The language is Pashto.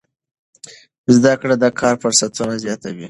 زده کړه د کار فرصتونه زیاتوي.